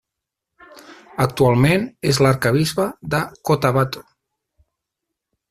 Actualment és l'arquebisbe de Cotabato.